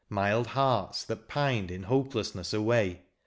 Mild hearts that pined in hopelessness away.